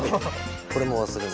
これも忘れ物。